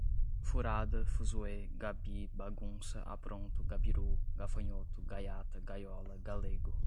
furada, fuzuê, gabi, bagunça, apronto, gabirú, gafanhoto, gaiata, gaiola, galego